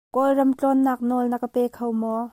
Kawlram tlawnnak nawl na ka pe kho maw?